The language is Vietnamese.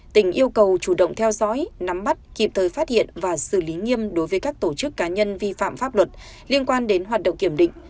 tỉnh yêu cầu chủ động theo dõi nắm bắt kịp thời phát hiện và xử lý nghiêm đối với các tổ chức cá nhân vi phạm pháp luật liên quan đến hoạt động kiểm định